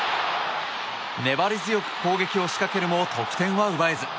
粘り強く攻撃を仕掛けるも得点は奪えず。